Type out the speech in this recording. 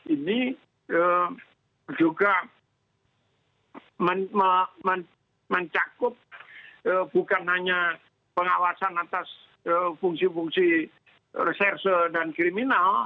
ini juga mencakup bukan hanya pengawasan atas fungsi fungsi reserse dan kriminal